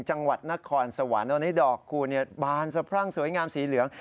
จังหวัดนครสวรรค์ตอนนี้ดอกคูณบานสะพรั่งสวยงามสีเหลือง